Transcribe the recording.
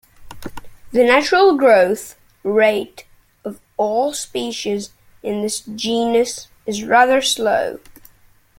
The natural growth rate of all species in this genus is rather slow.